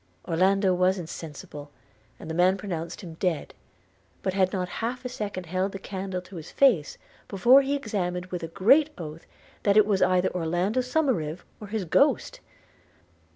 – Orlando was insensible, and the man pronounced him dead; – but had not half a second held the candle to his face, before he exclaimed with a great oath, that it was either Orlando Somerive, or his ghost!